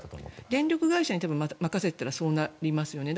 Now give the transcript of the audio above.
電力会社に任せていたらそうなりますよね。